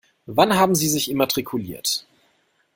Wann haben Sie sich immatrikuliert?